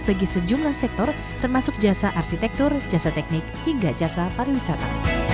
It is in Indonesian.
bagi sejumlah sektor termasuk jasa arsitektur jasa teknik hingga jasa pariwisata